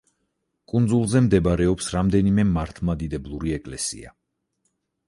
კუნძულზე მდებარეობს რამდენიმე მართლმადიდებლური ეკლესია.